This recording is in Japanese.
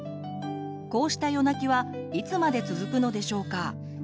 こうした夜泣きはいつまで続くのでしょうか？